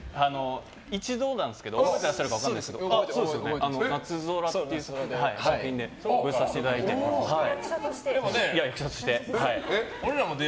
一度なんですけど覚えていらっしゃるか分からないですけど「なつぞら」っていうドラマでご一緒させていただきまして。